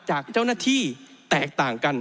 จากเจ้าหน้าที่แตกต่างกัน